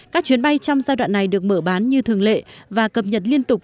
các chuyến bay trong giai đoạn này được mở bán như thường lệ và cập nhật liên tục